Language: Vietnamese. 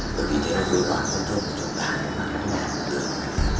bởi vì thế nó vừa đoạn vận thông của chúng ta vừa đoạn vận mặt đường